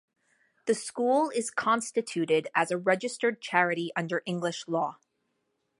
The school is constituted as a registered charity under English law.